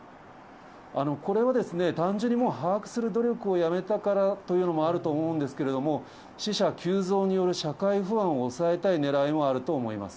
これは、単純に把握する努力をやめたからというのもあると思うんですけれども、死者急増による社会不安を抑えたいねらいもあると思います。